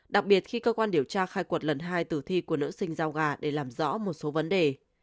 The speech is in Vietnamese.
đặc biệt khi cơ quan điều tra khai quật lần hai tử thi của nữ sinh giao gà để làm rõ một số vấn đề